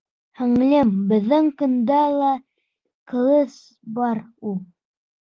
Һеңлем, беҙҙең ҡында ла ҡылыс бар ул.